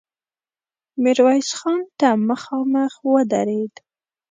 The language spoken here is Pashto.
ميرويس خان ته مخامخ ودرېد.